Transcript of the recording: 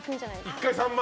１回３万。